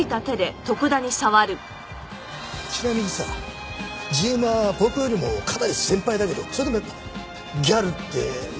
ちなみにさＧＭはぽよぽよよりもかなり先輩だけどそれでもやっぱギャルって呼ぶの？